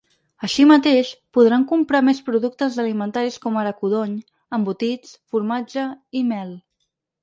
Així mateix, podran comprar més productes alimentaris com ara codony, embotits, formatge i mel.